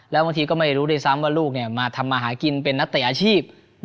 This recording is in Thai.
แล้วบางทีก็ไม่รู้ด้วยซ้ำว่าลูกมาทำมาหากินเป็นนักเตะอาชีพ